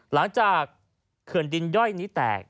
หลังจากเขื่อนดินย่อยนี้แตก